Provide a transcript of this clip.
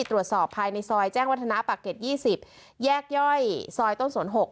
ตรวจสอบภายในซอยแจ้งวัฒนาปากเกร็ด๒๐แยกย่อยซอยต้นสน๖